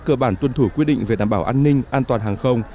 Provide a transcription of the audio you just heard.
cơ bản tuân thủ quy định về đảm bảo an ninh an toàn hàng không